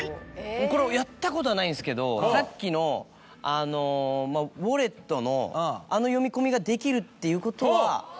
これやったことはないんですけどさっきのあのウォレットのあの読み込みができるっていうことは。